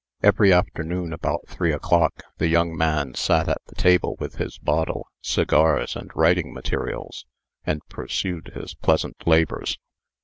Every afternoon, about three o'clock, the young man sat at the table with his bottle, cigars, and writing materials, and pursued his pleasant labors.